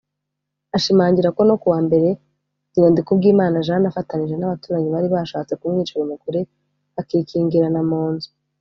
Ashimangira ko no kuwa Mbere Nyirandikubwimana Jeanne afatanije n’abaturanyi bari bashatse kumwicira umugore akikingirana mu nzu